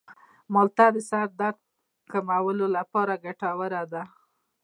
مالټه د سر درد کمولو لپاره ګټوره ده.